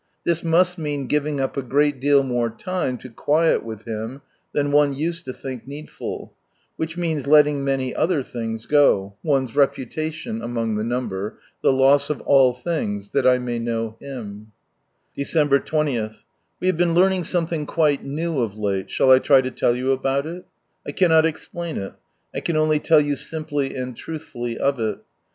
This must mean giving up a great deal more time to quiet with Him, than one used to think needful— which means letting many other things From Sunrise Land go— one's reputation, among ihe number — the loss of all things — that I may know Him I Dfcemhfr 20 — We have been learning something quite new of late, shall I try to lell you about it i" I cannot explain it, I can only tell you simply and truth fully of it.